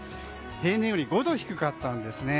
平年より５度低かったんですね。